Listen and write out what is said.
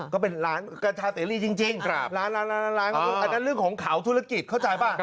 ก็เป็นร้านกัญชาเสรีจริงร้านนั้นเรื่องของเขาธุรกิจเข้าใจป่ะ